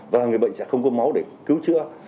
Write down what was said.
và người bệnh sẽ không có máu để cứu chữa